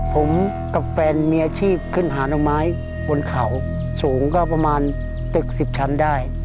ผมกับแฟนมีอาชีพขึ้นหาหน่อไม้บนเขาสูงก็ประมาณตึก๑๐ชั้นได้